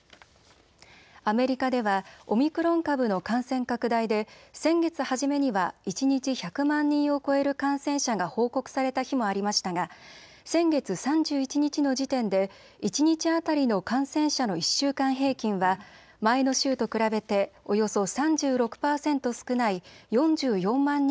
アメリカではオミクロン株の感染拡大で先月初めには一日１００万人を超える感染者が報告された日もありましたが先月３１日の時点で一日当たりの感染者の１週間平均は前の週と比べておよそ３６％少ない４４万